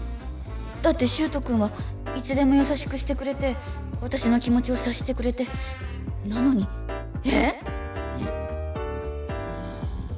だって柊人君はいつでも優しくしてくれて私の気持ちを察してくれてなのにえっ？